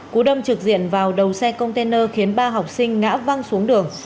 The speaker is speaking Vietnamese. cú đâm trực diện vào đầu xe container khiến ba học sinh ngã văng xuống đường